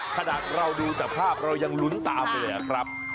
ขนาดเราดูแต่ภาพเรายังลุ้นตามไปเลยครับ